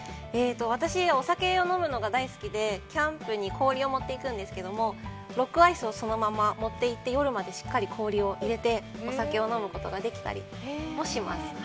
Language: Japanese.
私、お酒を飲むのが大好きでキャンプに氷を持っていくんですけどもロックアイスをそのまま持っていって、夜までしっかり氷を入れてお酒を飲むことができたりします。